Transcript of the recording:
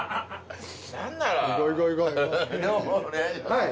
はい。